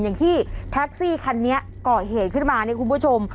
อย่างที่แท็กซี่คันนี้ก่อเหตุขึ้นมาเนี่ยคุณผู้ชม